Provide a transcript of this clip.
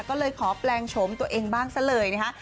ก็เลยขอแปลงโฉมตัวเองบ้างซะเลยนะคะ